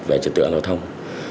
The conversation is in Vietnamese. về trật tự an toàn đồng thông